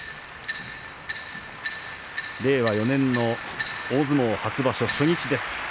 令和４年の大相撲初場所初日です。